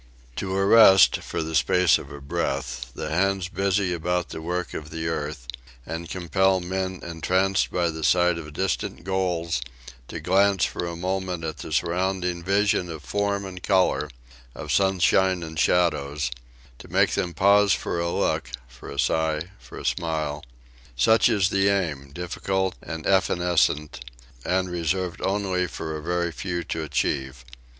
To arrest, for the space of a breath, the hands busy about the work of the earth, and compel men entranced by the sight of distant goals to glance for a moment at the surrounding vision of form and colour, of sunshine and shadows; to make them pause for a look, for a sigh, for a smile such is the aim, difficult and evanescent, and reserved only for a very few to achieve.